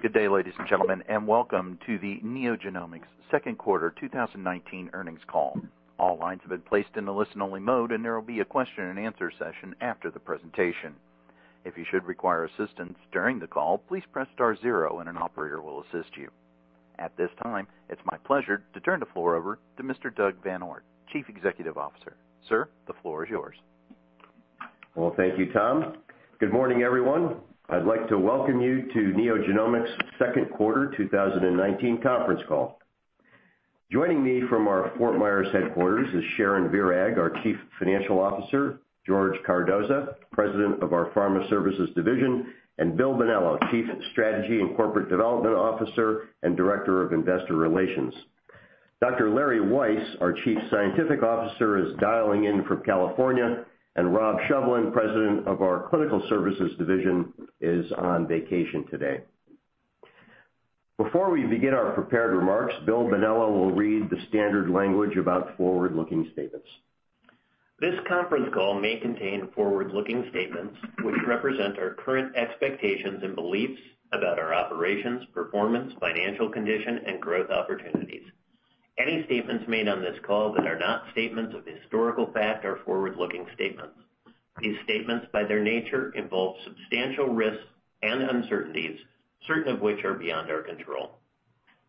Good day, ladies and gentlemen, and welcome to the NeoGenomics second quarter 2019 earnings call. All lines have been placed in the listen-only mode, and there will be a question-and-answer session after the presentation. If you should require assistance during the call, please press star zero and an operator will assist you. At this time, it's my pleasure to turn the floor over to Mr. Doug VanOort, Chief Executive Officer. Sir, the floor is yours. Well, thank you, Tom. Good morning, everyone. I'd like to welcome you to NeoGenomics second quarter 2019 conference call. Joining me from our Fort Myers headquarters is Sharon Virag, our Chief Financial Officer, George Cardoza, President of our Pharma Services Division, and Bill Bonello, Chief Strategy and Corporate Development Officer and Director of Investor Relations. Dr. Larry Weiss, our Chief Scientific Officer, is dialing in from California, and Rob Shovlin, President of our Clinical Services Division, is on vacation today. Before we begin our prepared remarks, Bill Bonello will read the standard language about forward-looking statements. This conference call may contain forward-looking statements which represent our current expectations and beliefs about our operations, performance, financial condition, and growth opportunities. Any statements made on this call that are not statements of historical fact are forward-looking statements. These statements, by their nature, involve substantial risks and uncertainties, certain of which are beyond our control.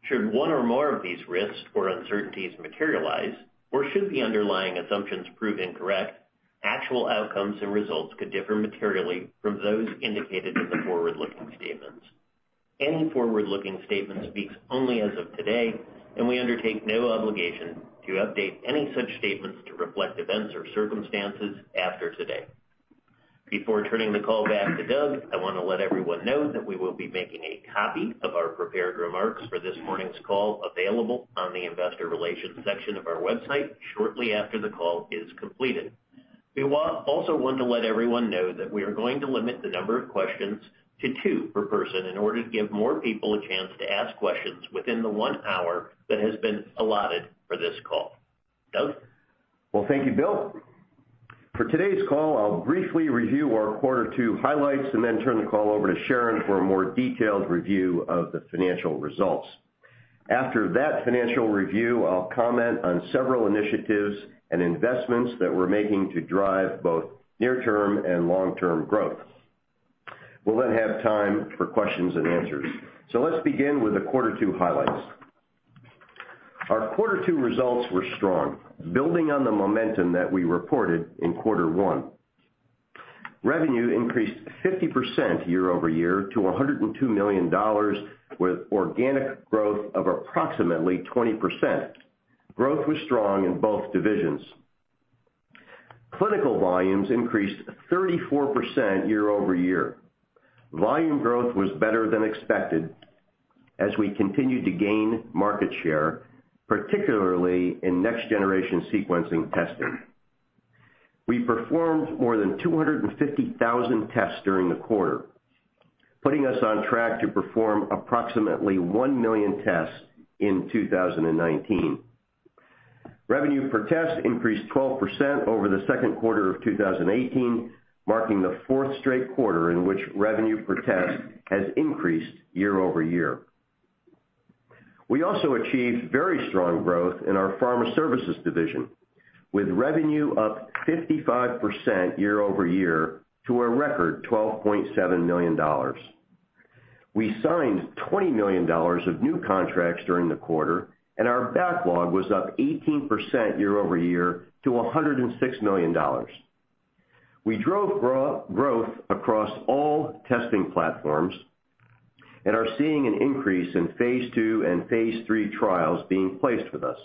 Should one or more of these risks or uncertainties materialize, or should the underlying assumptions prove incorrect, actual outcomes and results could differ materially from those indicated in the forward-looking statements. Any forward-looking statement speaks only as of today, and we undertake no obligation to update any such statements to reflect events or circumstances after today. Before turning the call back to Doug, I want to let everyone know that we will be making a copy of our prepared remarks for this morning's call available on the investor relations section of our website shortly after the call is completed. We also want to let everyone know that we are going to limit the number of questions to two per person in order to give more people a chance to ask questions within the one hour that has been allotted for this call. Doug? Well, thank you, Bill. For today's call, I'll briefly review our quarter two highlights and then turn the call over to Sharon for a more detailed review of the financial results. After that financial review, I'll comment on several initiatives and investments that we're making to drive both near-term and long-term growth. We'll have time for questions and answers. Let's begin with the quarter two highlights. Our quarter two results were strong, building on the momentum that we reported in quarter one. Revenue increased 50% year-over-year to $102 million with organic growth of approximately 20%. Growth was strong in both divisions. Clinical volumes increased 34% year-over-year. Volume growth was better than expected as we continued to gain market share, particularly in next-generation sequencing testing. We performed more than 250,000 tests during the quarter, putting us on track to perform approximately 1 million tests in 2019. Revenue per test increased 12% over the second quarter of 2018, marking the fourth straight quarter in which revenue per test has increased year-over-year. We also achieved very strong growth in our Pharma Services division, with revenue up 55% year-over-year to a record $12.7 million. We signed $20 million of new contracts during the quarter, and our backlog was up 18% year-over-year to $106 million. We drove growth across all testing platforms and are seeing an increase in phase II and phase III trials being placed with us.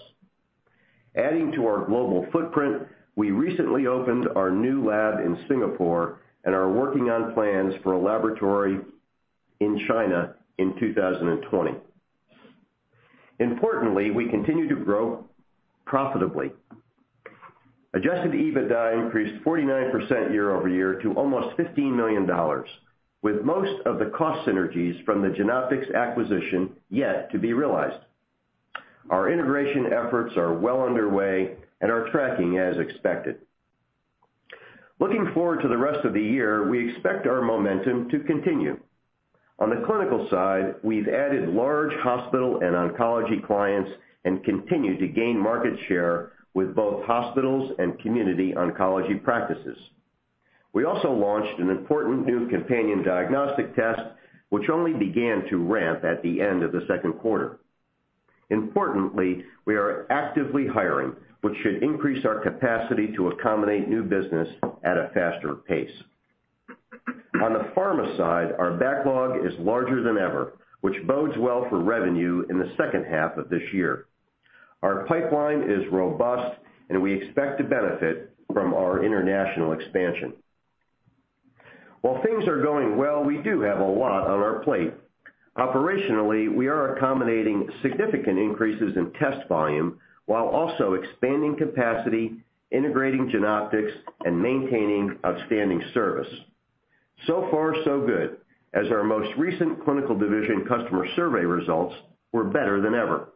Adding to our global footprint, we recently opened our new lab in Singapore and are working on plans for a laboratory in China in 2020. Importantly, we continue to grow profitably. Adjusted EBITDA increased 49% year-over-year to almost $15 million, with most of the cost synergies from the Genoptix acquisition yet to be realized. Our integration efforts are well underway and are tracking as expected. Looking forward to the rest of the year, we expect our momentum to continue. On the clinical side, we've added large hospital and oncology clients and continue to gain market share with both hospitals and community oncology practices. We also launched an important new companion diagnostic test, which only began to ramp at the end of the second quarter. Importantly, we are actively hiring, which should increase our capacity to accommodate new business at a faster pace. On the pharma side, our backlog is larger than ever, which bodes well for revenue in the second half of this year. Our pipeline is robust, and we expect to benefit from our international expansion. While things are going well, we do have a lot on our plate. Operationally, we are accommodating significant increases in test volume while also expanding capacity, integrating Genoptix, and maintaining outstanding service. Far so good, as our most recent Clinical division customer survey results were better than ever.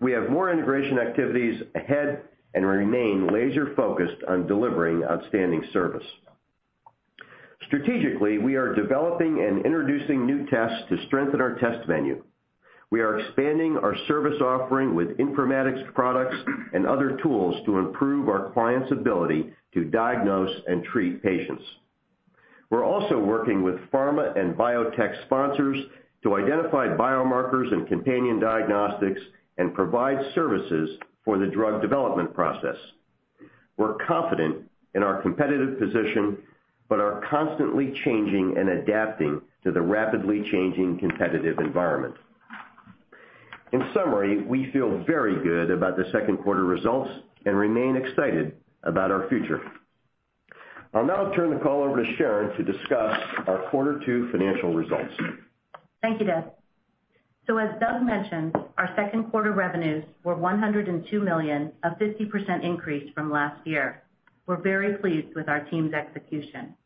We have more integration activities ahead and remain laser-focused on delivering outstanding service. Strategically, we are developing and introducing new tests to strengthen our test menu. We are expanding our service offering with informatics products and other tools to improve our clients' ability to diagnose and treat patients. We're also working with pharma and biotech sponsors to identify biomarkers and companion diagnostics and provide services for the drug development process. We're confident in our competitive position, but are constantly changing and adapting to the rapidly changing competitive environment. In summary, we feel very good about the second quarter results and remain excited about our future. I'll now turn the call over to Sharon to discuss our quarter two financial results. Thank you, Doug. As Doug mentioned, our second quarter revenues were $102 million, a 50% increase from last year. We are very pleased with our team's execution.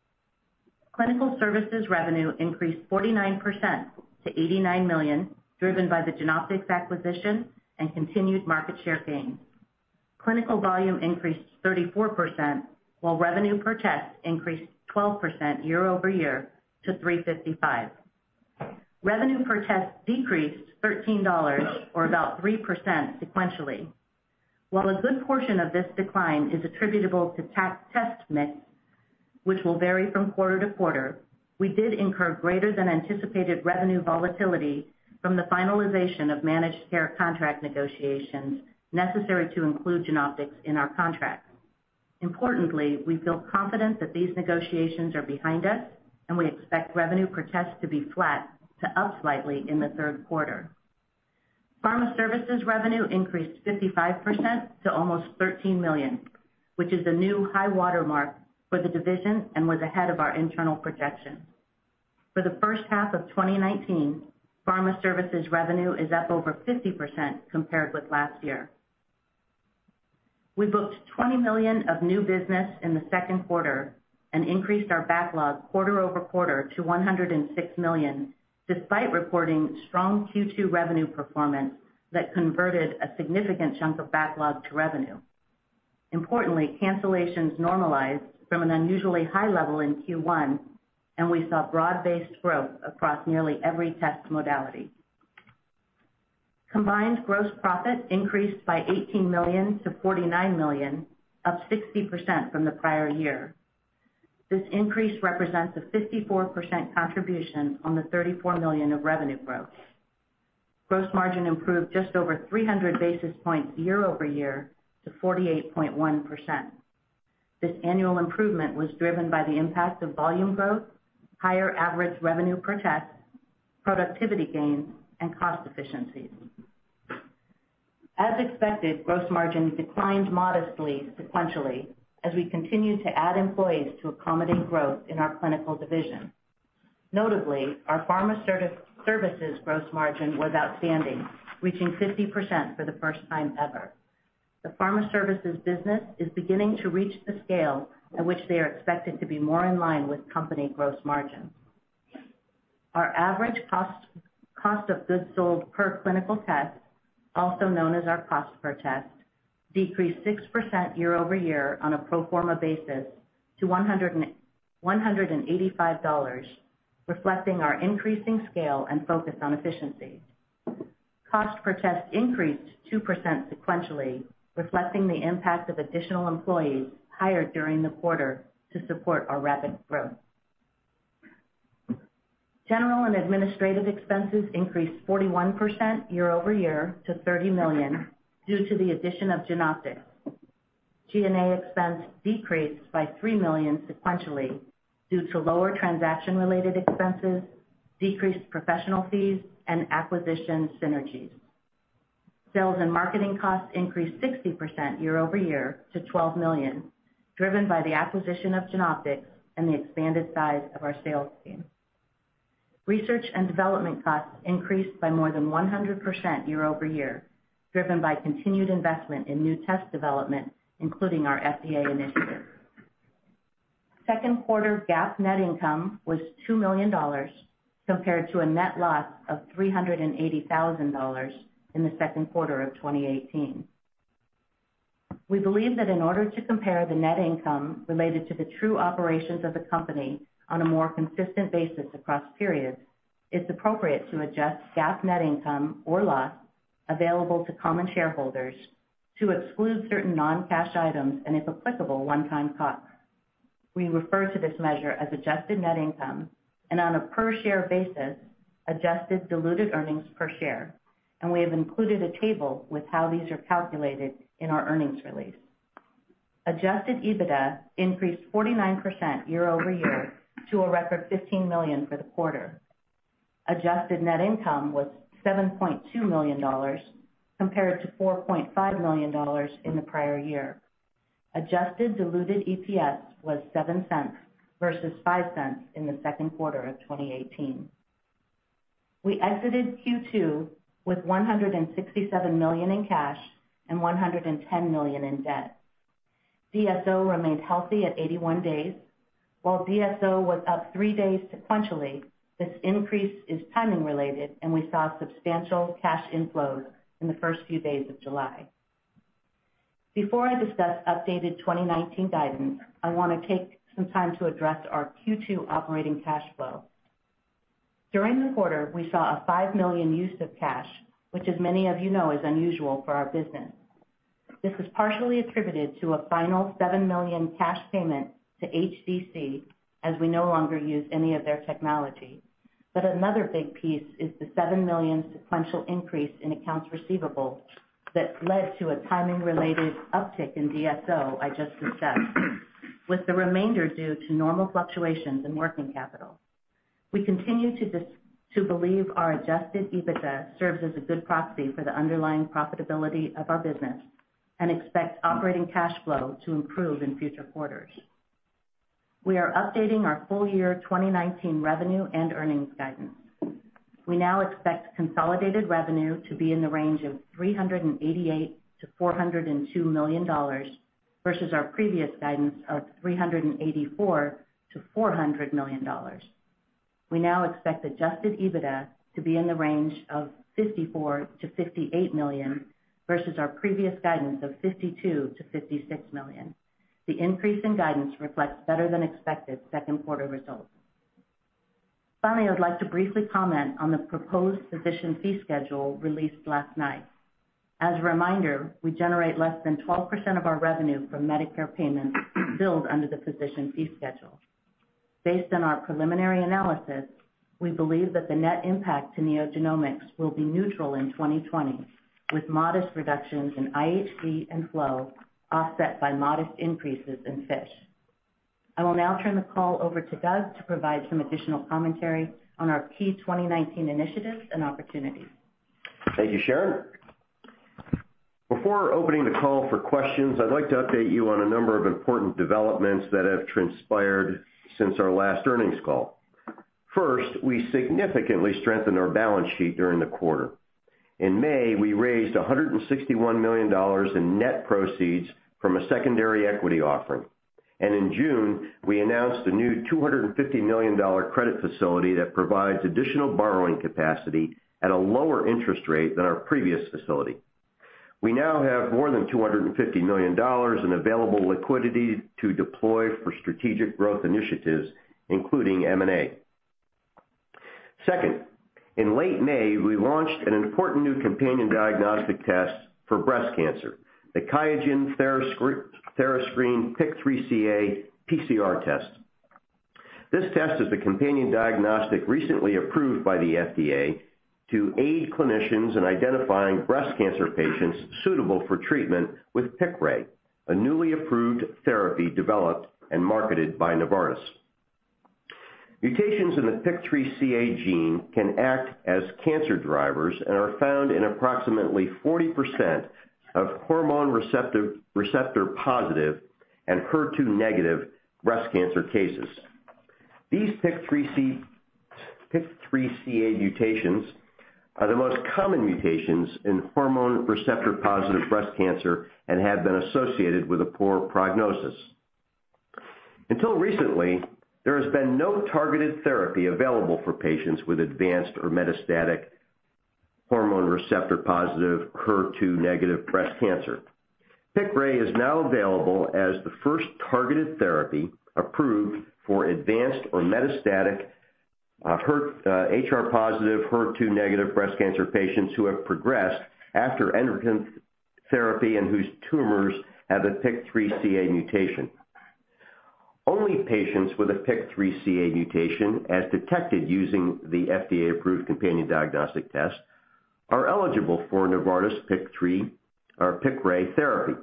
Clinical Services revenue increased 49% to $89 million, driven by the Genoptix acquisition and continued market share gains. Clinical volume increased 34%, while revenue per test increased 12% year-over-year to $355. Revenue per test decreased $13 or about 3% sequentially. While a good portion of this decline is attributable to test mix, which will vary from quarter-to-quarter, we did incur greater than anticipated revenue volatility from the finalization of managed care contract negotiations necessary to include Genoptix in our contract. Importantly, we feel confident that these negotiations are behind us, and we expect revenue per test to be flat to up slightly in the third quarter. Pharma Services revenue increased 55% to almost $13 million, which is a new high watermark for the division and was ahead of our internal projections. For the first half of 2019, Pharma Services revenue is up over 50% compared with last year. We booked $20 million of new business in the second quarter and increased our backlog quarter-over-quarter to $106 million, despite reporting strong Q2 revenue performance that converted a significant chunk of backlog to revenue. Importantly, cancellations normalized from an unusually high level in Q1, and we saw broad-based growth across nearly every test modality. Combined gross profit increased by $18 million to $49 million, up 60% from the prior year. This increase represents a 54% contribution on the $34 million of revenue growth. Gross margin improved just over 300 basis points year-over-year to 48.1%. This annual improvement was driven by the impact of volume growth, higher average revenue per test, productivity gains, and cost efficiencies. As expected, gross margin declined modestly sequentially as we continue to add employees to accommodate growth in our Clinical Services division. Notably, our Pharma Services gross margin was outstanding, reaching 50% for the first time ever. The Pharma Services business is beginning to reach the scale at which they are expected to be more in line with company gross margin. Our average cost of goods sold per clinical test, also known as our cost per test, decreased 6% year-over-year on a pro forma basis to $185, reflecting our increasing scale and focus on efficiency. Cost per test increased 2% sequentially, reflecting the impact of additional employees hired during the quarter to support our rapid growth. General and administrative expenses increased 41% year-over-year to $30 million due to the addition of Genoptix. G&A expense decreased by $3 million sequentially due to lower transaction-related expenses, decreased professional fees, and acquisition synergies. Sales and marketing costs increased 60% year-over-year to $12 million, driven by the acquisition of Genoptix and the expanded size of our sales team. Research and development costs increased by more than 100% year-over-year, driven by continued investment in new test development, including our FDA initiative. Second quarter GAAP net income was $2 million, compared to a net loss of $380,000 in the second quarter of 2018. We believe that in order to compare the net income related to the true operations of the company on a more consistent basis across periods, it's appropriate to adjust GAAP net income or loss available to common shareholders to exclude certain non-cash items and, if applicable, one-time costs. We refer to this measure as adjusted net income and on a per share basis, adjusted diluted earnings per share, and we have included a table with how these are calculated in our earnings release. Adjusted EBITDA increased 49% year-over-year to a record $15 million for the quarter. Adjusted net income was $7.2 million compared to $4.5 million in the prior year. Adjusted diluted EPS was $0.07 versus $0.05 in the second quarter of 2018. We exited Q2 with $167 million in cash and $110 million in debt. DSO remained healthy at 81 days. While DSO was up three days sequentially, this increase is timing related, and we saw substantial cash inflows in the first few days of July. Before I discuss updated 2019 guidance, I want to take some time to address our Q2 operating cash flow. During the quarter, we saw a $5 million use of cash, which as many of you know, is unusual for our business. This was partially attributed to a final $7 million cash payment to HDC as we no longer use any of their technology. Another big piece is the $7 million sequential increase in accounts receivable that led to a timing-related uptick in DSO I just discussed, with the remainder due to normal fluctuations in working capital. We continue to believe our adjusted EBITDA serves as a good proxy for the underlying profitability of our business and expect operating cash flow to improve in future quarters. We are updating our full year 2019 revenue and earnings guidance. We now expect consolidated revenue to be in the range of $388 million-$402 million versus our previous guidance of $384 million-$400 million. We now expect adjusted EBITDA to be in the range of $54 million-$58 million versus our previous guidance of $52 million-$56 million. The increase in guidance reflects better than expected second quarter results. Finally, I would like to briefly comment on the proposed physician fee schedule released last night. As a reminder, we generate less than 12% of our revenue from Medicare payments billed under the physician fee schedule. Based on our preliminary analysis, we believe that the net impact to NeoGenomics will be neutral in 2020, with modest reductions in IHC and flow offset by modest increases in FISH. I will now turn the call over to Doug to provide some additional commentary on our key 2019 initiatives and opportunities. Thank you, Sharon. Before opening the call for questions, I'd like to update you on a number of important developments that have transpired since our last earnings call. First, we significantly strengthened our balance sheet during the quarter. In May, we raised $161 million in net proceeds from a secondary equity offering. In June, we announced a new $250 million credit facility that provides additional borrowing capacity at a lower interest rate than our previous facility. We now have more than $250 million in available liquidity to deploy for strategic growth initiatives, including M&A. Second, in late May, we launched an important new companion diagnostic test for breast cancer, the QIAGEN therascreen PIK3CA PCR test. This test is the companion diagnostic recently approved by the FDA to aid clinicians in identifying breast cancer patients suitable for treatment with PIQRAY, a newly approved therapy developed and marketed by Novartis. Mutations in the PIK3CA gene can act as cancer drivers and are found in approximately 40% of hormone receptor-positive and HER2- breast cancer cases. These PIK3CA mutations are the most common mutations in hormone receptor-positive breast cancer and have been associated with a poor prognosis. Until recently, there has been no targeted therapy available for patients with advanced or metastatic hormone receptor-positive, HER2- breast cancer. PIQRAY is now available as the first targeted therapy approved for advanced or metastatic HR+, HER2- breast cancer patients who have progressed after endocrine therapy and whose tumors have a PIK3CA mutation. Only patients with a PIK3CA mutation, as detected using the FDA-approved companion diagnostic test, are eligible for Novartis PIQRAY therapy.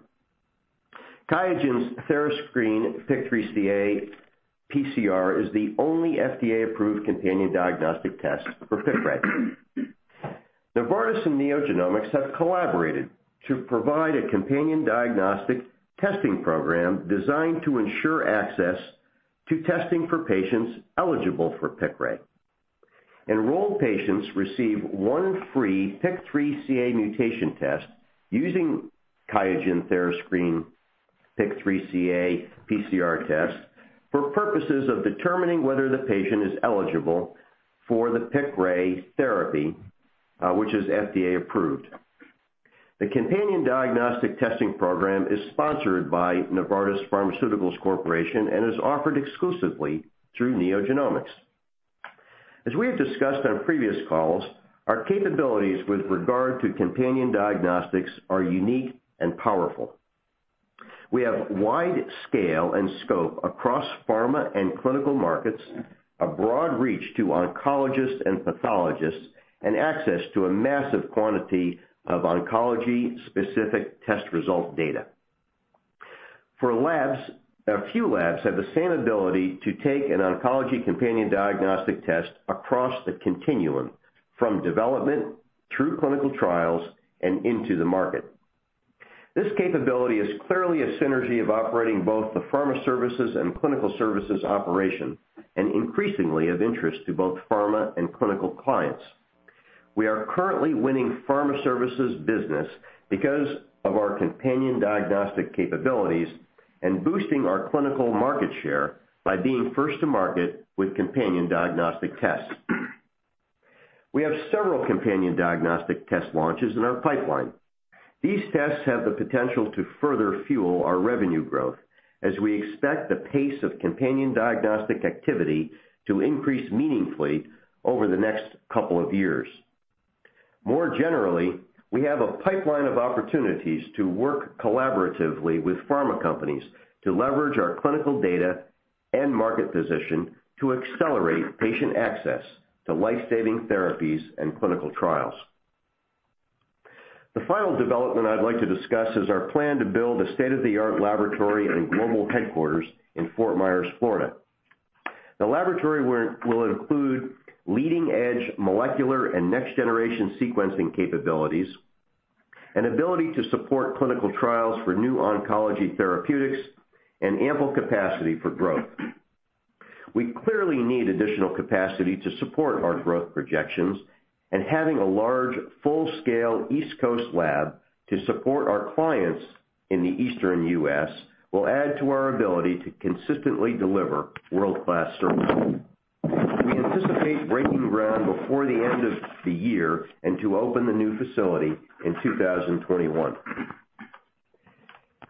QIAGEN's therascreen PIK3CA PCR is the only FDA-approved companion diagnostic test for PIQRAY. Novartis and NeoGenomics have collaborated to provide a companion diagnostic testing program designed to ensure access to testing for patients eligible for PIQRAY. Enrolled patients receive one free PIK3CA mutation test using QIAGEN therascreen PIK3CA PCR test for purposes of determining whether the patient is eligible for the PIQRAY therapy, which is FDA approved. The companion diagnostic testing program is sponsored by Novartis Pharmaceuticals Corporation and is offered exclusively through NeoGenomics. As we have discussed on previous calls, our capabilities with regard to companion diagnostics are unique and powerful. We have wide scale and scope across pharma and clinical markets, a broad reach to oncologists and pathologists, and access to a massive quantity of oncology-specific test result data. For labs, a few labs have the same ability to take an oncology companion diagnostic test across the continuum, from development through clinical trials and into the market. This capability is clearly a synergy of operating both the Pharma Services and Clinical Services operation, and increasingly of interest to both pharma and clinical clients. We are currently winning Pharma Services business because of our companion diagnostic capabilities and boosting our clinical market share by being first to market with companion diagnostic tests. We have several companion diagnostic test launches in our pipeline. These tests have the potential to further fuel our revenue growth as we expect the pace of companion diagnostic activity to increase meaningfully over the next couple of years. More generally, we have a pipeline of opportunities to work collaboratively with pharma companies to leverage our clinical data and market position to accelerate patient access to life-saving therapies and clinical trials. The final development I'd like to discuss is our plan to build a state-of-the-art laboratory and global headquarters in Fort Myers, Florida. The laboratory will include leading-edge molecular and next-generation sequencing capabilities, an ability to support clinical trials for new oncology therapeutics, and ample capacity for growth. We clearly need additional capacity to support our growth projections, and having a large, full-scale East Coast lab to support our clients in the Eastern U.S. will add to our ability to consistently deliver world-class service. We anticipate breaking ground before the end of the year and to open the new facility in 2021.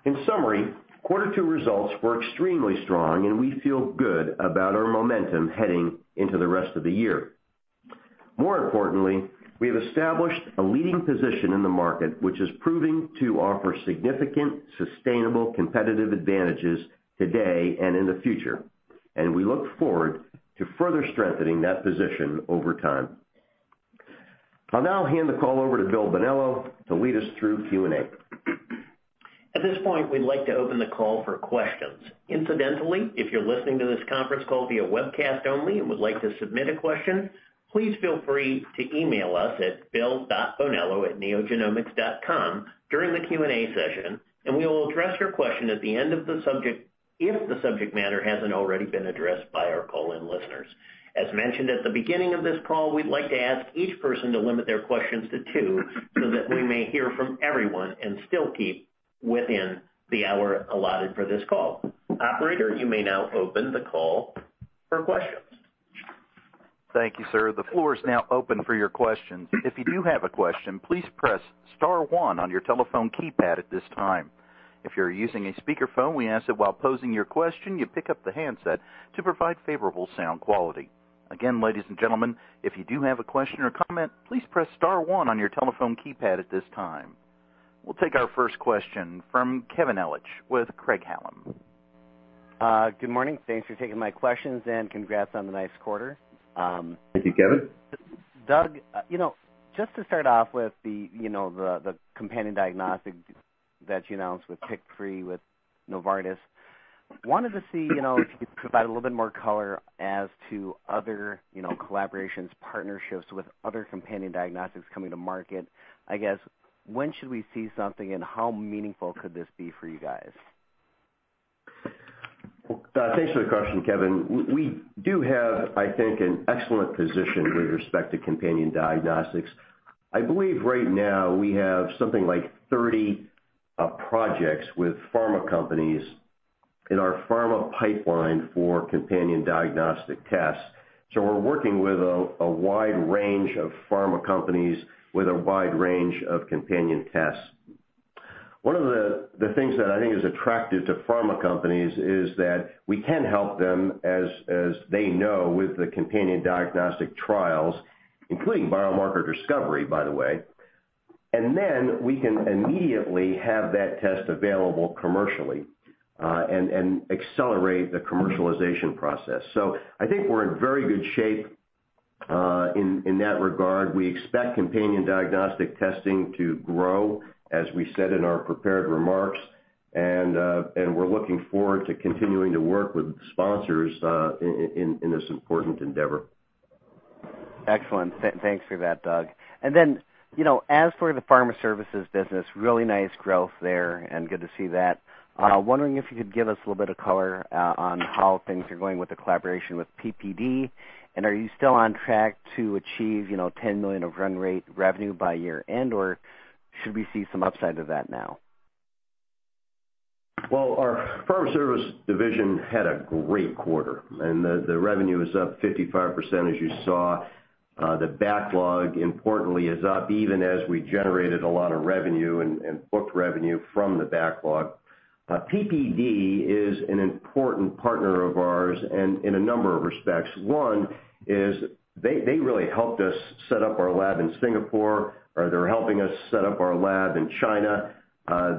In summary, quarter two results were extremely strong, and we feel good about our momentum heading into the rest of the year. More importantly, we have established a leading position in the market, which is proving to offer significant, sustainable competitive advantages today and in the future, and we look forward to further strengthening that position over time. I'll now hand the call over to Bill Bonello to lead us through Q&A. At this point, we'd like to open the call for questions. Incidentally, if you're listening to this conference call via webcast only and would like to submit a question, please feel free to email us at bill.bonello@neogenomics.com during the Q&A session and we will address your question at the end if the subject matter hasn't already been addressed by our call-in listeners. As mentioned at the beginning of this call, we'd like to ask each person to limit their questions to two so that we may hear from everyone and still keep within the hour allotted for this call. Operator, you may now open the call for questions. Thank you, sir. The floor is now open for your questions. If you do have a question, please press star one on your telephone keypad at this time. If you're using a speakerphone, we ask that while posing your question, you pick up the handset to provide favorable sound quality. Again, ladies and gentlemen, if you do have a question or comment, please press star one on your telephone keypad at this time. We'll take our first question from Kevin Ellich with Craig-Hallum. Good morning. Thanks for taking my questions and congrats on the nice quarter. Thank you, Kevin. Doug, just to start off with the companion diagnostic that you announced with PIK3CA with Novartis, wanted to see if you could provide a little bit more color as to other collaborations, partnerships with other companion diagnostics coming to market. I guess, when should we see something and how meaningful could this be for you guys? Thanks for the question, Kevin. We do have, I think, an excellent position with respect to companion diagnostics. I believe right now we have something like 30 projects with pharma companies in our pharma pipeline for companion diagnostic tests. We're working with a wide range of pharma companies with a wide range of companion tests. One of the things that I think is attractive to pharma companies is that we can help them, as they know, with the companion diagnostic trials, including biomarker discovery, by the way, and then we can immediately have that test available commercially and accelerate the commercialization process. I think we're in very good shape in that regard. We expect companion diagnostic testing to grow, as we said in our prepared remarks, and we're looking forward to continuing to work with sponsors in this important endeavor. Excellent. Thanks for that, Doug. As for the pharma services business, really nice growth there and good to see that. Wondering if you could give us a little bit of color on how things are going with the collaboration with PPD, and are you still on track to achieve $10 million of run rate revenue by year-end, or should we see some upside to that now? Well, our Pharma Services division had a great quarter. The revenue is up 55%, as you saw. The backlog, importantly, is up even as we generated a lot of revenue and booked revenue from the backlog. PPD is an important partner of ours in a number of respects. One is they really helped us set up our lab in Singapore. They're helping us set up our lab in China.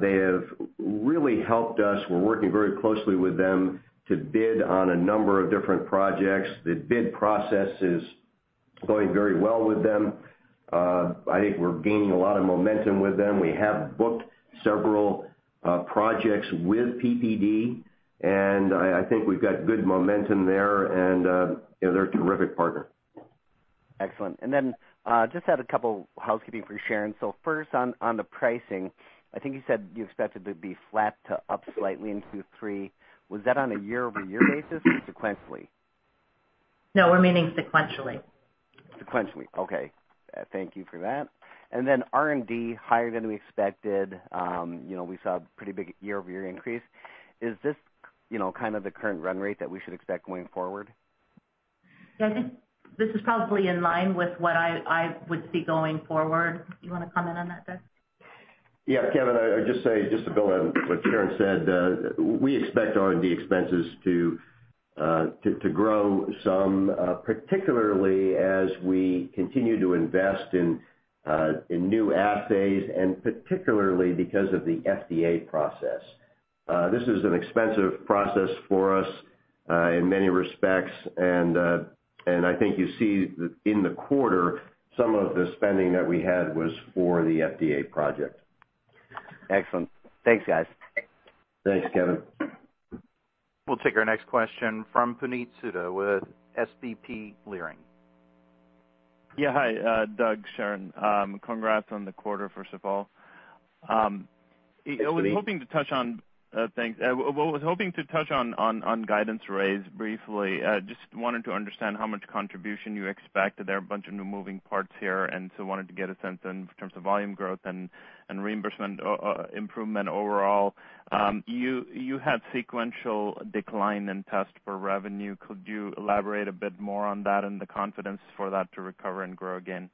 They have really helped us. We're working very closely with them to bid on a number of different projects. The bid process is going very well with them. I think we're gaining a lot of momentum with them. We have booked several projects with PPD. I think we've got good momentum there. They're a terrific partner. Excellent. Just had a couple housekeeping for Sharon. First on the pricing, I think you said you expected to be flat to up slightly in Q3. Was that on a year-over-year basis sequentially? No, we're meaning sequentially. Sequentially. Okay. Thank you for that. R&D, higher than we expected. We saw a pretty big year-over-year increase. Is this kind of the current run rate that we should expect going forward? Yeah, I think this is probably in line with what I would see going forward. You want to comment on that, Doug? Yeah, Kevin, I'd just say, just to build on what Sharon said, we expect R&D expenses to grow some, particularly as we continue to invest in new assays, and particularly because of the FDA process. This is an expensive process for us in many respects, and I think you see in the quarter, some of the spending that we had was for the FDA project. Excellent. Thanks, guys. Thanks, Kevin. We'll take our next question from Puneet Souda with SVB Leerink. Yeah. Hi, Doug, Sharon. Congrats on the quarter, first of all. Thanks, Puneet. What I was hoping to touch on guidance raise briefly. Just wanted to understand how much contribution you expect. There are a bunch of new moving parts here, and so wanted to get a sense in terms of volume growth and reimbursement improvement overall. You had sequential decline in test for revenue. Could you elaborate a bit more on that and the confidence for that to recover and grow again?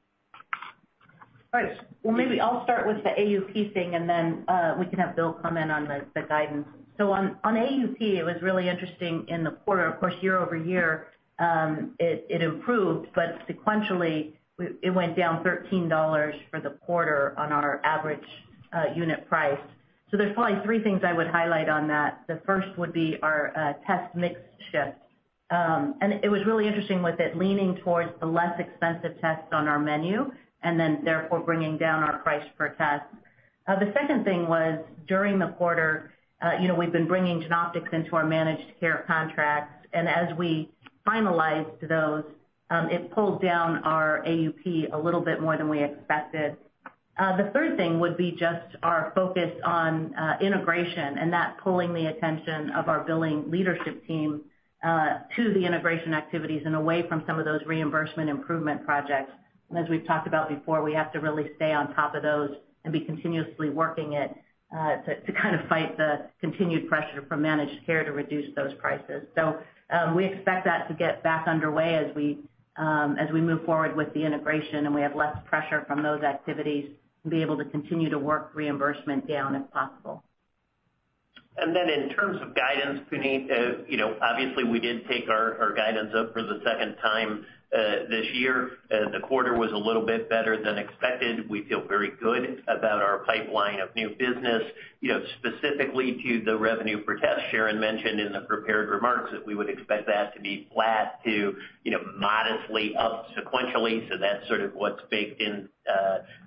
Right. Well, maybe I'll start with the AUP thing, then we can have Bill comment on the guidance. On AUP, it was really interesting in the quarter, of course, year-over-year, it improved, but sequentially it went down $13 for the quarter on our average unit price. There's probably three things I would highlight on that. The first would be our test mix shift. It was really interesting with it leaning towards the less expensive tests on our menu, then therefore, bringing down our price per test. The second thing was, during the quarter, we've been bringing Genoptix into our managed care contracts, and as we finalized those, it pulled down our AUP a little bit more than we expected. The third thing would be just our focus on integration and that pulling the attention of our billing leadership team to the integration activities and away from some of those reimbursement improvement projects. As we've talked about before, we have to really stay on top of those and be continuously working it to kind of fight the continued pressure from managed care to reduce those prices. We expect that to get back underway as we move forward with the integration and we have less pressure from those activities and be able to continue to work reimbursement down as possible. In terms of guidance, Puneet, obviously we did take our guidance up for the second time this year. The quarter was a little bit better than expected. We feel very good about our pipeline of new business. Specifically to the revenue per test, Sharon mentioned in the prepared remarks that we would expect that to be flat to modestly up sequentially. That's sort of what's baked in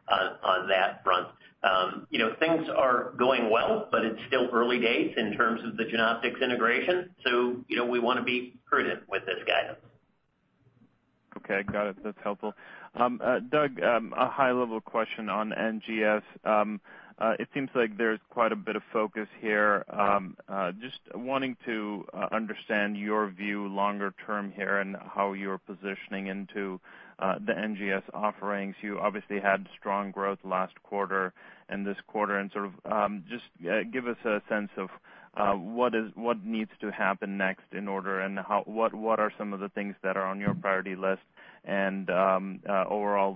on that front. Things are going well, but it's still early days in terms of the Genoptix integration, so, we want to be prudent with this guidance. Okay, got it. That's helpful. Doug, a high-level question on NGS. It seems like there's quite a bit of focus here. Just wanting to understand your view longer term here and how you're positioning into the NGS offerings. You obviously had strong growth last quarter and this quarter, and sort of just give us a sense of what needs to happen next in order, and what are some of the things that are on your priority list and, overall,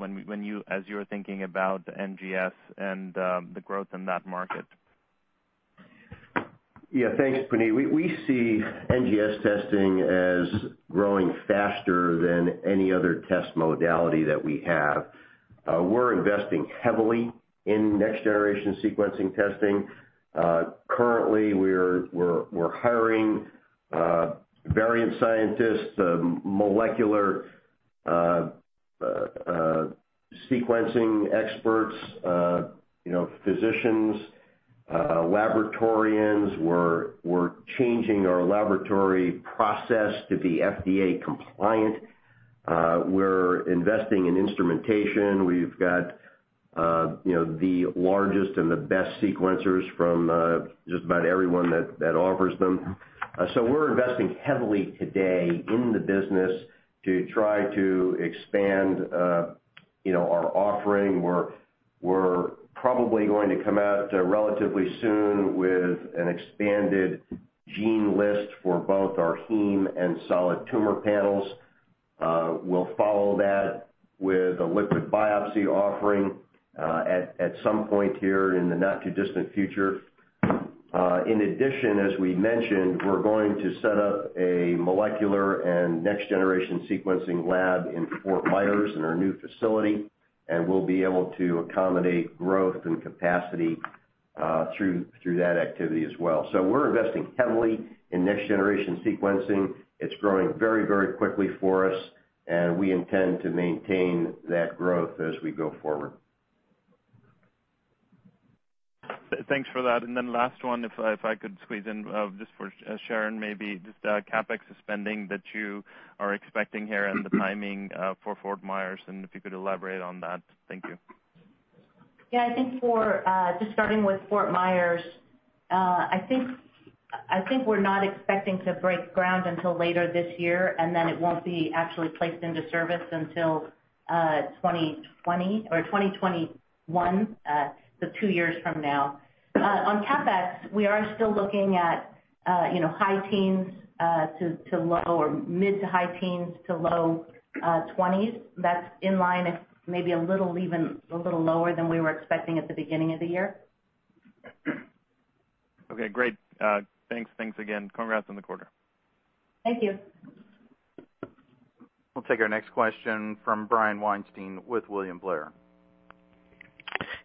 as you're thinking about NGS and the growth in that market. Yeah. Thanks, Puneet. We see NGS testing as growing faster than any other test modality that we have. We're investing heavily in next-generation sequencing testing. Currently, we're hiring variant scientists, molecular sequencing experts, physicians, laboratorians. We're changing our laboratory process to be FDA compliant. We're investing in instrumentation. We've got the largest and the best sequencers from just about everyone that offers them. We're investing heavily today in the business to try to expand our offering. We're probably going to come out relatively soon with an expanded gene list for both our heme and solid tumor panels. We'll follow that with a liquid biopsy offering at some point here in the not-too-distant future. In addition, as we mentioned, we're going to set up a molecular and next-generation sequencing lab in Fort Myers in our new facility, and we'll be able to accommodate growth and capacity through that activity as well. We're investing heavily in next-generation sequencing. It's growing very quickly for us, and we intend to maintain that growth as we go forward. Thanks for that. Last one, if I could squeeze in, just for Sharon, maybe, just CapEx spending that you are expecting here and the timing for Fort Myers, and if you could elaborate on that? Thank you. I think just starting with Fort Myers, I think we're not expecting to break ground until later this year, and then it won't be actually placed into service until 2020 or 2021, so two years from now. On CapEx, we are still looking at mid to high teens to low 20s. That's in line, maybe a little lower than we were expecting at the beginning of the year. Okay, great. Thanks. Thanks again. Congrats on the quarter. Thank you. We'll take our next question from Brian Weinstein with William Blair.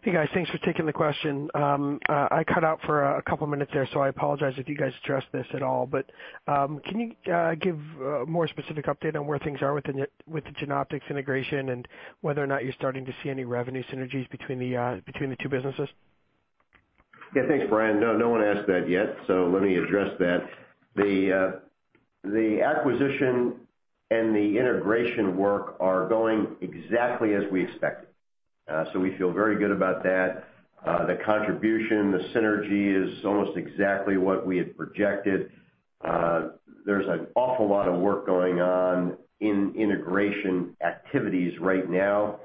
Hey, guys. Thanks for taking the question. I cut out for a couple minutes there, so I apologize if you guys addressed this at all. Can you give a more specific update on where things are with the Genoptix integration and whether or not you're starting to see any revenue synergies between the two businesses? Yeah. Thanks, Brian. No one asked that yet, so let me address that. The acquisition and the integration work are going exactly as we expected. We feel very good about that. The contribution, the synergy is almost exactly what we had projected. There's an awful lot of work going on in integration activities right now.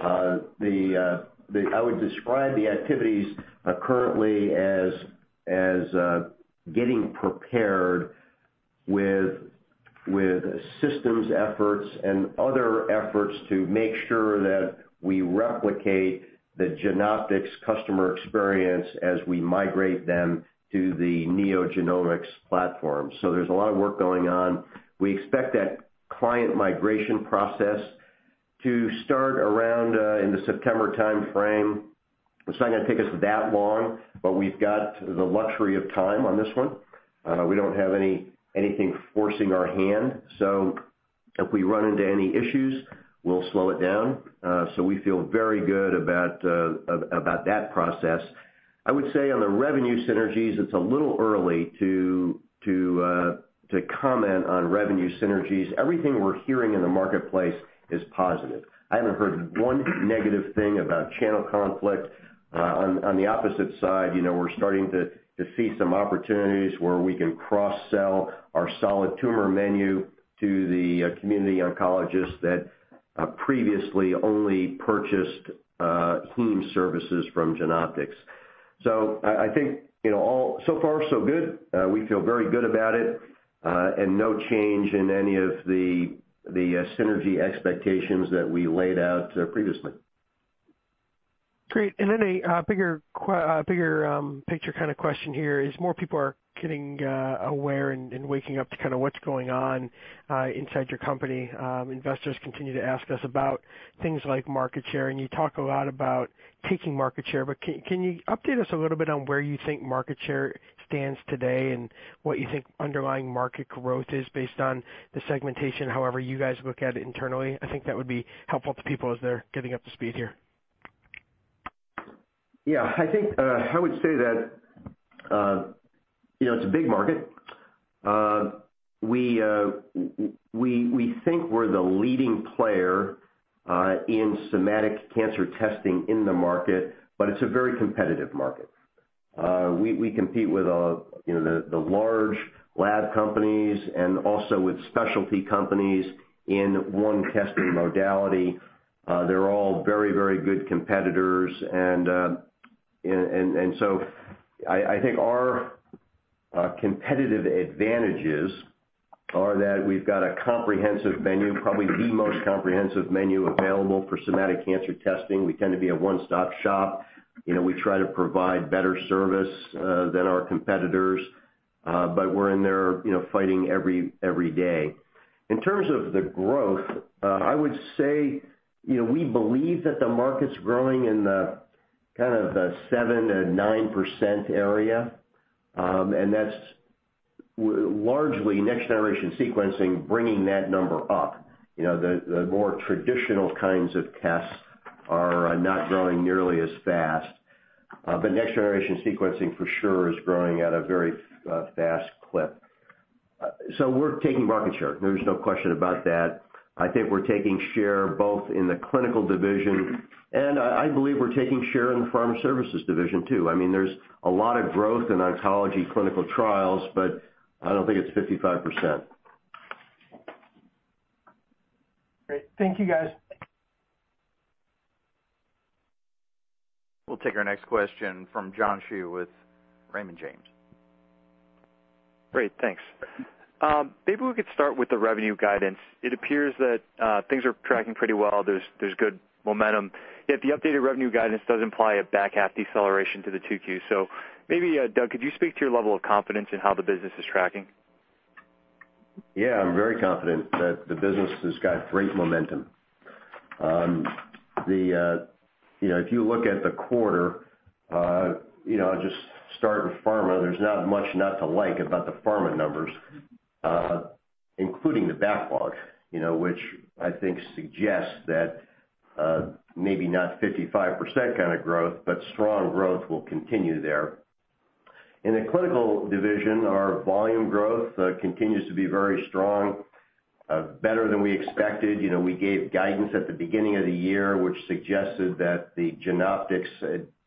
I would describe the activities currently as getting prepared with systems efforts and other efforts to make sure that we replicate the Genoptix customer experience as we migrate them to the NeoGenomics platform. There's a lot of work going on. We expect that client migration process to start around in the September timeframe. It's not going to take us that long, but we've got the luxury of time on this one. We don't have anything forcing our hand, so if we run into any issues, we'll slow it down. We feel very good about that process. I would say on the revenue synergies, it's a little early to comment on revenue synergies. Everything we're hearing in the marketplace is positive. I haven't heard one negative thing about channel conflict. On the opposite side, we're starting to see some opportunities where we can cross-sell our solid tumor menu to the community oncologists that previously only purchased heme services from Genoptix. I think so far so good. We feel very good about it. No change in any of the synergy expectations that we laid out previously. Great. A bigger picture kind of question here is more people are getting aware and waking up to kind of what's going on inside your company. Investors continue to ask us about things like market share, and you talk a lot about taking market share, but can you update us a little bit on where you think market share stands today and what you think underlying market growth is based on the segmentation, however you guys look at it internally? I think that would be helpful to people as they're getting up to speed here. Yeah. I would say that it's a big market. We think we're the leading player in somatic cancer testing in the market, but it's a very competitive market. We compete with the large lab companies and also with specialty companies in one testing modality. They're all very good competitors. I think our competitive advantages are that we've got a comprehensive menu, probably the most comprehensive menu available for somatic cancer testing. We tend to be a one-stop shop. We try to provide better service than our competitors, but we're in there fighting every day. In terms of the growth, I would say, we believe that the market's growing in the kind of the 7%-9% area, and that's largely next-generation sequencing bringing that number up. The more traditional kinds of tests are not growing nearly as fast. Next-generation sequencing for sure is growing at a very fast clip. We're taking market share. There's no question about that. I think we're taking share both in the Clinical division, and I believe we're taking share in the Pharma Services division, too. There's a lot of growth in oncology clinical trials, but I don't think it's 55%. Great. Thank you, guys. We'll take our next question from John Hsu with Raymond James. Great. Thanks. Maybe we could start with the revenue guidance. It appears that things are tracking pretty well. There's good momentum. Yet the updated revenue guidance does imply a back-half deceleration to the 2Q. Maybe, Doug, could you speak to your level of confidence in how the business is tracking? Yeah. I'm very confident that the business has got great momentum. If you look at the quarter, I'll just start with pharma. There's not much not to like about the pharma numbers, including the backlog which I think suggests that maybe not 55% kind of growth, but strong growth will continue there. In the Clinical division, our volume growth continues to be very strong, better than we expected. We gave guidance at the beginning of the year, which suggested that the Genoptix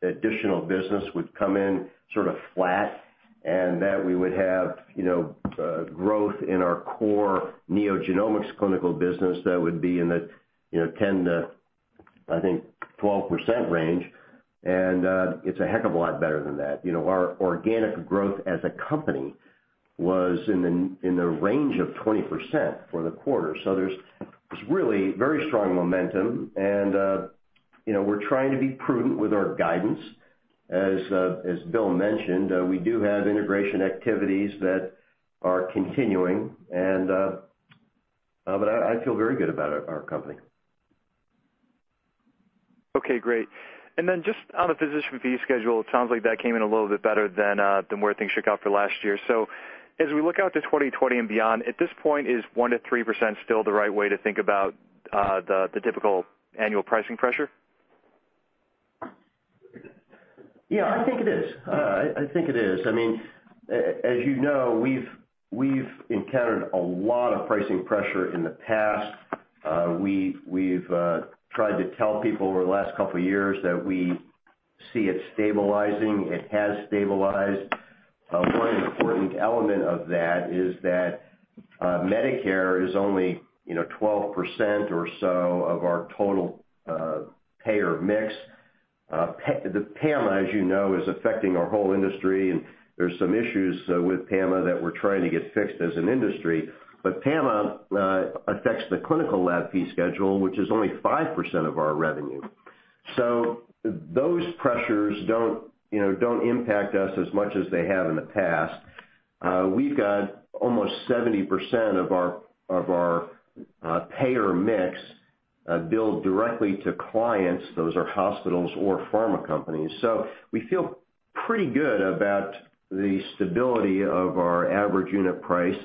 additional business would come in sort of flat, that we would have growth in our core NeoGenomics clinical business that would be in the 10% to, I think, 12% range. It's a heck of a lot better than that. Our organic growth as a company was in the range of 20% for the quarter. There's really very strong momentum, and we're trying to be prudent with our guidance. As Bill mentioned, we do have integration activities that are continuing, but I feel very good about our company. Okay, great. Just on the physician fee schedule, it sounds like that came in a little bit better than where things shook out for last year. As we look out to 2020 and beyond, at this point, is 1%-3% still the right way to think about the typical annual pricing pressure? I think it is. As you know, we've encountered a lot of pricing pressure in the past. We've tried to tell people over the last couple of years that we see it stabilizing. It has stabilized. One important element of that is that Medicare is only 12% or so of our total payer mix. PAMA, as you know, is affecting our whole industry, and there's some issues with PAMA that we're trying to get fixed as an industry. PAMA affects the clinical lab fee schedule, which is only 5% of our revenue. Those pressures don't impact us as much as they have in the past. We've got almost 70% of our payer mix billed directly to clients. Those are hospitals or pharma companies. We feel pretty good about the stability of our average unit price.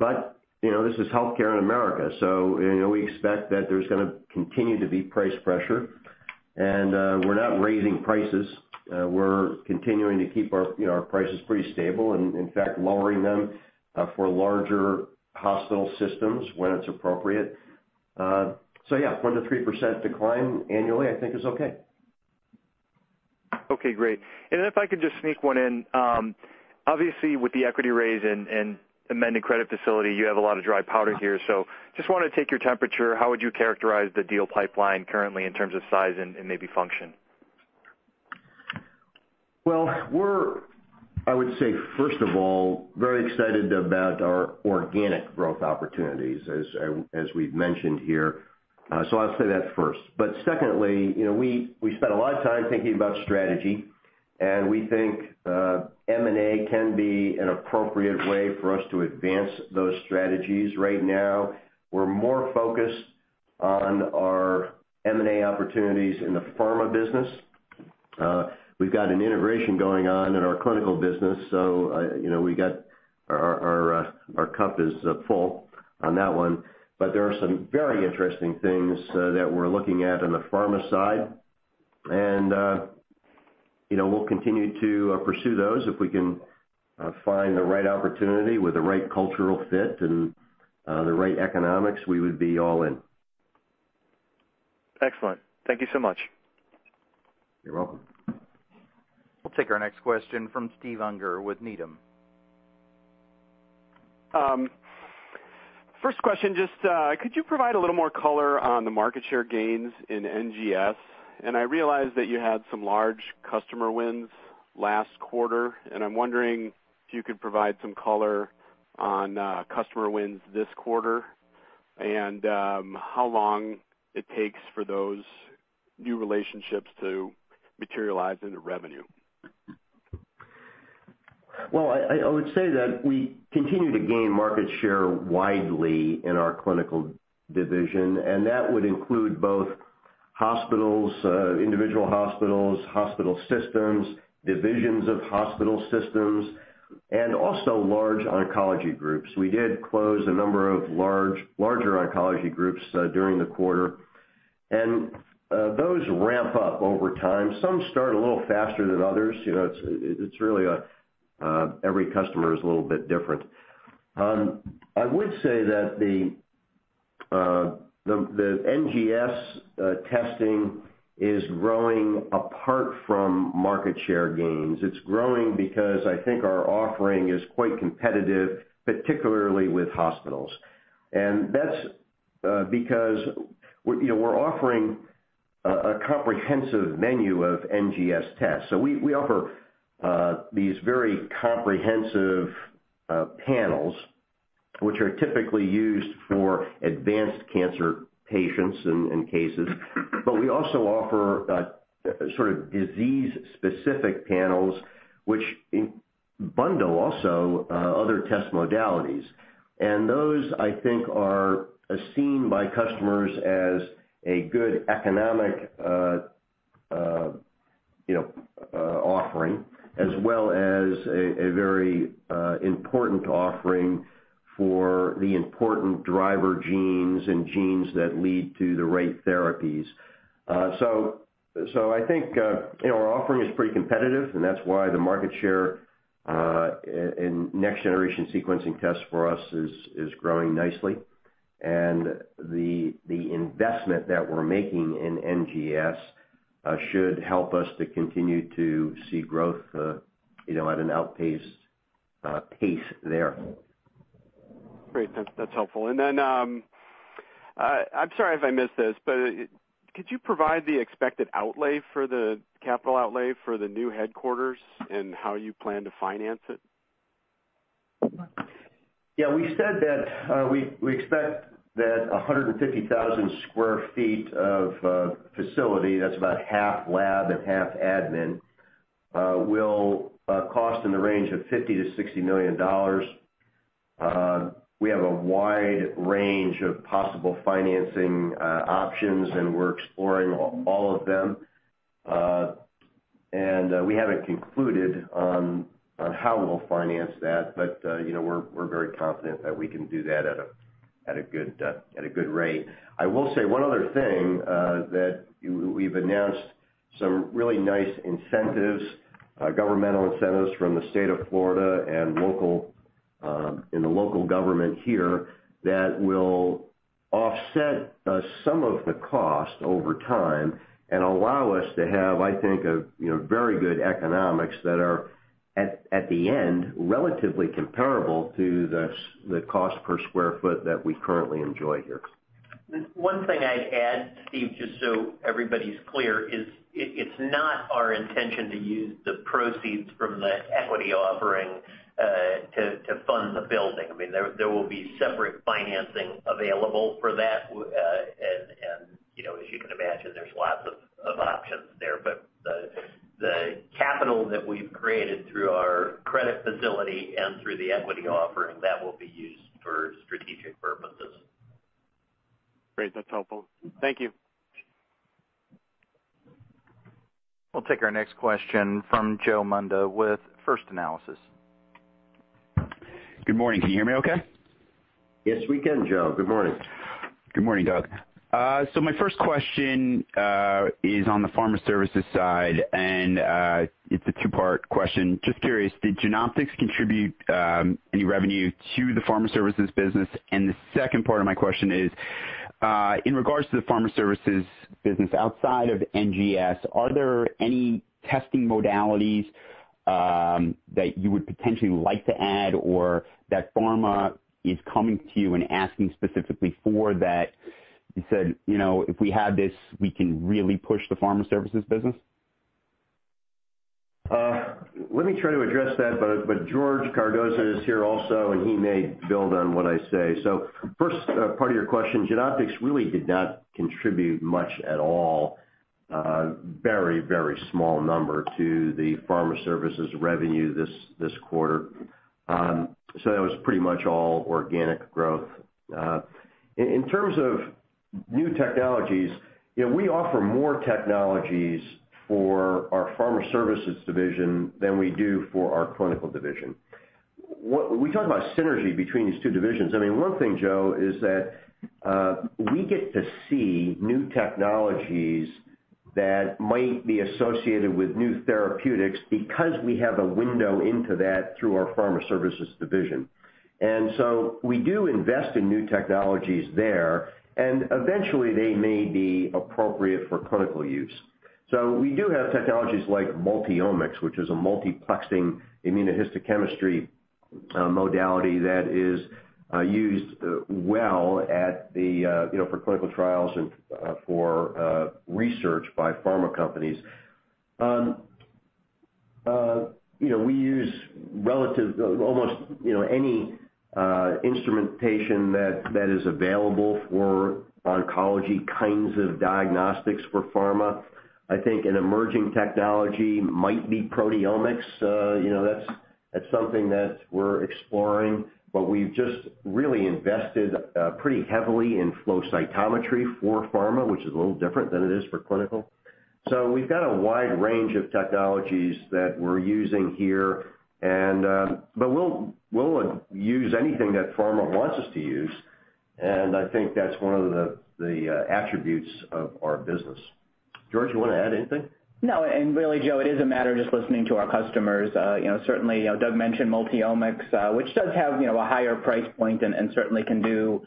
This is healthcare in America, so we expect that there's going to continue to be price pressure, and we're not raising prices. We're continuing to keep our prices pretty stable and, in fact, lowering them for larger hospital systems when it's appropriate. Yeah, 1%-3% decline annually, I think is okay. Okay, great. If I could just sneak one in. Obviously, with the equity raise and amended credit facility, you have a lot of dry powder here. Just want to take your temperature. How would you characterize the deal pipeline currently in terms of size and maybe function? Well, we're, I would say, first of all, very excited about our organic growth opportunities, as we've mentioned here. I'll say that first. Secondly, we spent a lot of time thinking about strategy, and we think M&A can be an appropriate way for us to advance those strategies. Right now, we're more focused on our M&A opportunities in the pharma business. We've got an integration going on in our clinical business, our cup is full on that one. There are some very interesting things that we're looking at on the pharma side, and we'll continue to pursue those if we can find the right opportunity with the right cultural fit and the right economics, we would be all in. Excellent. Thank you so much. You're welcome. We'll take our next question from Steve Unger with Needham. First question, just could you provide a little more color on the market share gains in NGS? I realize that you had some large customer wins last quarter, and I'm wondering if you could provide some color on customer wins this quarter and how long it takes for those new relationships to materialize into revenue? I would say that we continue to gain market share widely in our Clinical Services division, that would include both hospitals, individual hospitals, hospital systems, divisions of hospital systems, and also large oncology groups. We did close a number of larger oncology groups during the quarter, those ramp up over time. Some start a little faster than others. Every customer is a little bit different. I would say that the NGS testing is growing apart from market share gains. It's growing because I think our offering is quite competitive, particularly with hospitals. That's because we're offering a comprehensive menu of NGS tests. We offer these very comprehensive panels, which are typically used for advanced cancer patients and cases. We also offer sort of disease-specific panels, which bundle also other test modalities. Those, I think are seen by customers as a good economic offering, as well as a very important offering for the important driver genes and genes that lead to the right therapies. I think our offering is pretty competitive, and that's why the market share in next-generation sequencing tests for us is growing nicely. The investment that we're making in NGS should help us to continue to see growth at an outpaced pace there. Great. That's helpful. Then, I'm sorry if I missed this, but could you provide the expected outlay for the capital outlay for the new headquarters and how you plan to finance it? Yeah, we said that we expect that 150,000 sq ft of facility, that's about half lab and half admin, will cost in the range of $50 million-$60 million. We have a wide range of possible financing options, and we're exploring all of them. We haven't concluded on how we'll finance that. We're very confident that we can do that at a good rate. I will say one other thing, that we've announced some really nice incentives, governmental incentives from the state of Florida and in the local government here that will offset some of the cost over time and allow us to have, I think, very good economics that are, at the end, relatively comparable to the cost per square foot that we currently enjoy here. One thing I'd add, Steve, just so everybody's clear, is it's not our intention to use the proceeds from the equity offering to fund the building. There will be separate financing available for that. As you can imagine, there's lots of options there. The capital that we've created through our credit facility and through the equity offering, that will be used for strategic purposes. Great. That's helpful. Thank you. We'll take our next question from Joe Munda with First Analysis. Good morning. Can you hear me okay? Yes, we can, Joe. Good morning. Good morning, Doug. My first question is on the Pharma Services side, and it's a two-part question. Just curious, did Genoptix contribute any revenue to the Pharma Services business? The second part of my question is, in regards to the Pharma Services business outside of NGS, are there any testing modalities that you would potentially like to add or that pharma is coming to you and asking specifically for that you said, "If we had this, we can really push the Pharma Services business? Let me try to address that. George Cardoza is here also, and he may build on what I say. First part of your question, Genoptix really did not contribute much at all, very small number to the Pharma Services revenue this quarter. That was pretty much all organic growth. In terms of new technologies, we offer more technologies for our Pharma Services division than we do for our Clinical division. We talk about synergy between these two divisions. One thing, Joe, is that we get to see new technologies that might be associated with new therapeutics because we have a window into that through our Pharma Services division. We do invest in new technologies there, and eventually, they may be appropriate for clinical use. We do have technologies like Multiomyx, which is a multiplexing immunohistochemistry modality that is used well for clinical trials and for research by pharma companies. We use almost any instrumentation that is available for oncology kinds of diagnostics for pharma. I think an emerging technology might be proteomics. That's something that we're exploring. We've just really invested pretty heavily in flow cytometry for pharma, which is a little different than it is for clinical. We've got a wide range of technologies that we're using here. We'll use anything that pharma wants us to use, and I think that's one of the attributes of our business. George, you want to add anything? No. Really, Joe, it is a matter of just listening to our customers. Certainly, Doug mentioned Multiomyx, which does have a higher price point and certainly can do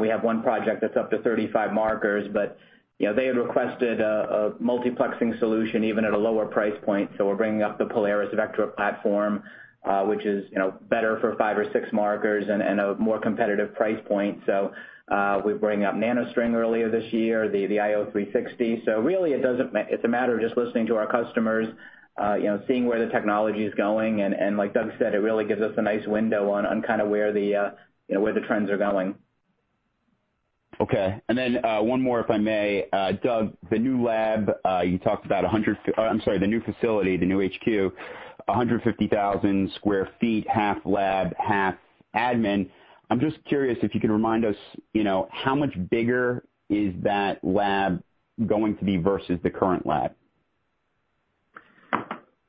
We have one project that's up to 35 markers, but they had requested a multiplexing solution, even at a lower price point. We're bringing up the Vectra Polaris platform, which is better for five or six markers and a more competitive price point. We're bringing up NanoString earlier this year, the IO 360. Really, it's a matter of just listening to our customers, seeing where the technology is going. Like Doug said, it really gives us a nice window on where the trends are going. Okay. One more, if I may. Doug, the new lab you talked about, I'm sorry, the new facility, the new HQ, 150,000 sq ft, half lab, half admin. I'm just curious if you can remind us, how much bigger is that lab going to be versus the current lab?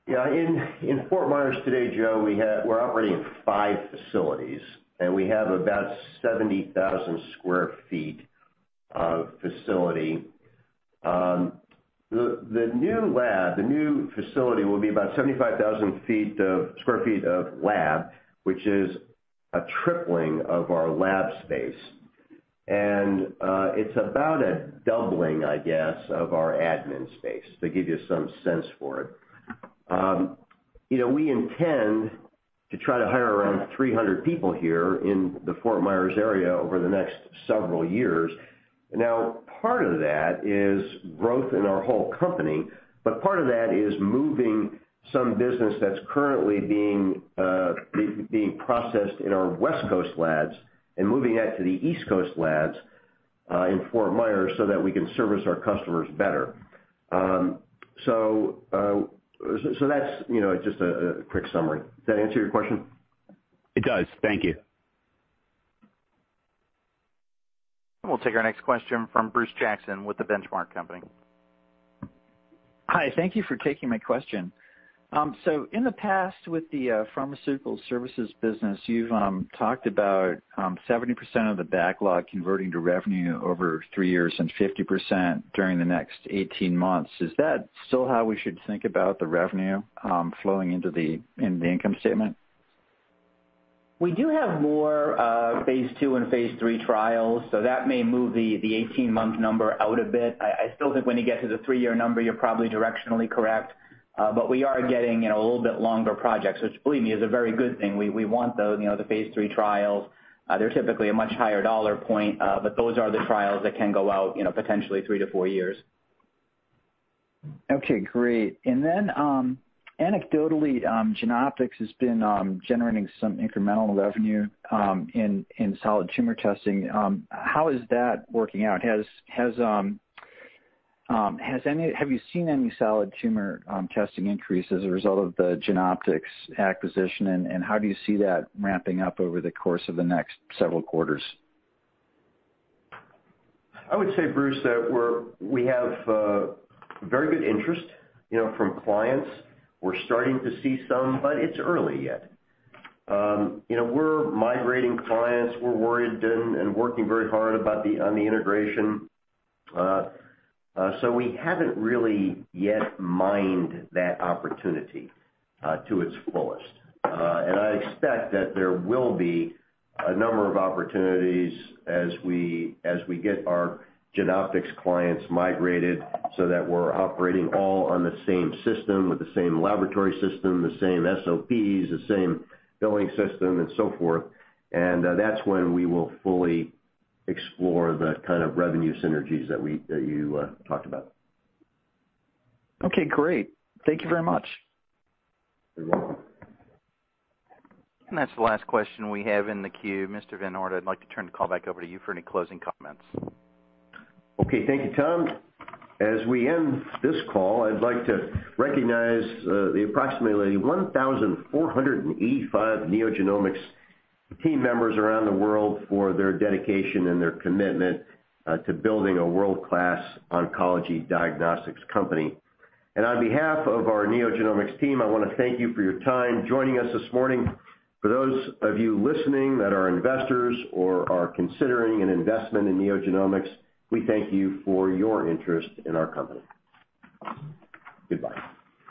In Fort Myers today, Joe, we're operating five facilities, and we have about 70,000 sq ft of facility. The new lab, the new facility will be about 75,000 sq ft of lab, which is a tripling of our lab space. It's about a doubling, I guess, of our admin space, to give you some sense for it. We intend to try to hire around 300 people here in the Fort Myers area over the next several years. Part of that is growth in our whole company, but part of that is moving some business that's currently being processed in our West Coast labs and moving that to the East Coast labs in Fort Myers so that we can service our customers better. That's just a quick summary. Does that answer your question? It does. Thank you. We'll take our next question from Bruce Jackson with The Benchmark Company. Hi. Thank you for taking my question. In the past with the Pharmaceutical Services business, you've talked about 70% of the backlog converting to revenue over three years and 50% during the next 18 months. Is that still how we should think about the revenue flowing into the income statement? We do have more phase II and phase III trials, that may move the 18-month number out a bit. I still think when you get to the three-year number, you're probably directionally correct. We are getting a little bit longer projects, which believe me, is a very good thing. We want those, the phase III trials. They're typically a much higher dollar point. Those are the trials that can go out potentially three to four years. Okay, great. Anecdotally, Genoptix has been generating some incremental revenue in solid tumor testing. How is that working out? Have you seen any solid tumor testing increase as a result of the Genoptix acquisition, and how do you see that ramping up over the course of the next several quarters? I would say, Bruce, that we have very good interest from clients. We're starting to see some, but it's early yet. We're migrating clients. We're worried and working very hard on the integration. We haven't really yet mined that opportunity to its fullest. I expect that there will be a number of opportunities as we get our Genoptix clients migrated so that we're operating all on the same system with the same laboratory system, the same SOPs, the same billing system, and so forth. That's when we will fully explore the kind of revenue synergies that you talked about. Okay, great. Thank you very much. You're welcome. That's the last question we have in the q ueue. Mr. VanOort, I'd like to turn the call back over to you for any closing comments. Okay. Thank you, Tom. As we end this call, I'd like to recognize the approximately 1,485 NeoGenomics team members around the world for their dedication and their commitment to building a world-class oncology diagnostics company. On behalf of our NeoGenomics team, I want to thank you for your time joining us this morning. For those of you listening that are investors or are considering an investment in NeoGenomics, we thank you for your interest in our company. Goodbye.